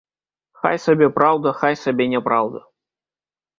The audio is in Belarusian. Хай сабе праўда, хай сабе няпраўда.